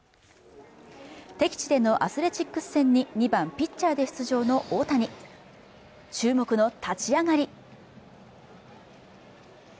敵地でのアスレチックス戦に２番・ピッチャーで出場の大谷注目の立ち上がり